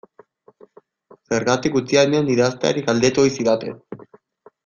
Zergatik utzia nion idazteari galdetu ohi zidaten.